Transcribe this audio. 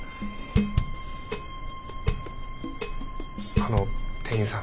あの店員さん。